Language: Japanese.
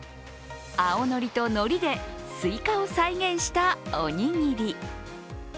青のりとのりですいかを再現したおにぎり。